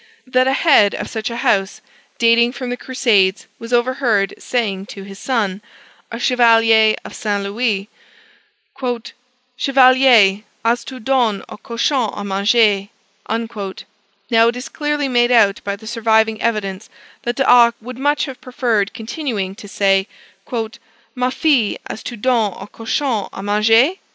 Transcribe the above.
that a head of such a house, dating from the Crusades, was overheard saying to his son, a Chevalier of St. Louis, "Chevalier, as tu donné au cochon à manger!" Now, it is clearly made out by the surviving evidence, that D'Arc would much have preferred continuing to say "Ma fille as tu donné au cochon à manger?"